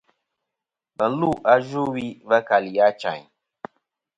Và lu a Yvɨwi va kali Achayn.